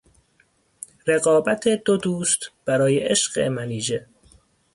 رقابت دو دوست برای عشق منیژه